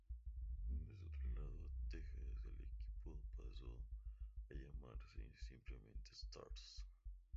Desde su traslado a Texas, el equipo pasó a llamarse simplemente Stars.